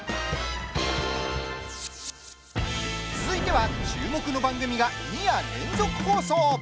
続いては注目の番組が２夜連続放送。